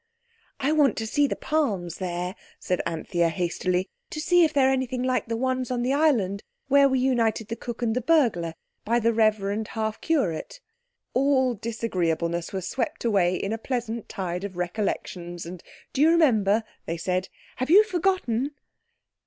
"I want to see the palms there," said Anthea hastily, "to see if they're anything like the ones on the island where we united the Cook and the Burglar by the Reverend Half Curate." All disagreeableness was swept away in a pleasant tide of recollections, and "Do you remember...?" they said. "Have you forgotten...?"